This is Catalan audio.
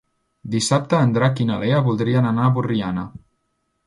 Dissabte en Drac i na Lea voldrien anar a Borriana.